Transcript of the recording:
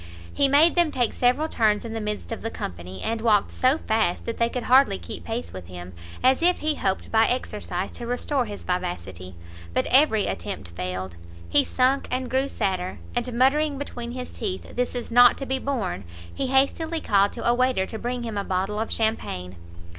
He made them take several turns in the midst of the company, and walked so fast that they could hardly keep pace with him, as if he hoped by exercise to restore his vivacity; but every attempt failed, he sunk and grew sadder, and muttering between his teeth "this is not to be borne!" he hastily called to a waiter to bring him a bottle of champagne.